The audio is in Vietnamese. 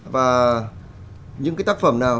và những cái tác phẩm nào